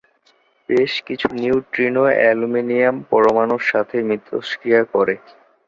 বেশ কিছু neutrino aluminium পরমাণুর সাথে মিথস্ক্রিয়া করে।